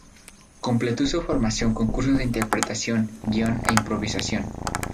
Completó su formación con cursos de interpretación, guión e improvisación.